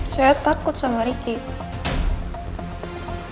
saya takut sama riki